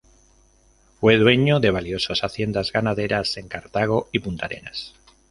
Fue dueño de valiosas haciendas ganaderas en Cartago y Puntarenas.